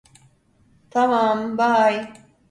Tamam, bye.